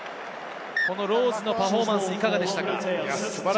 ロウズのパフォーマンス、いかがでしたか？